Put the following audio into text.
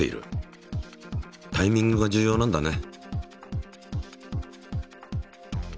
タイミングが重要なんだね。